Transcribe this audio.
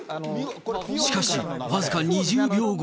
しかし、僅か２０秒後。